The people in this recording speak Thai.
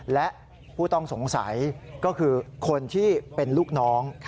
และผู้ต้องสงสัยก็คือคนที่เป็นลูกน้อง